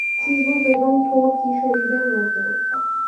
চিবুক এবং ঠোঁট কিশোরীদের মতো।